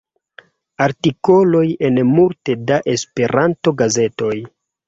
Artikoloj en multe da Esperanto-gazetoj.